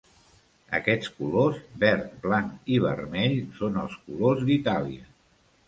Aquests colors, verd, blanc i vermell són els colors d'Itàlia.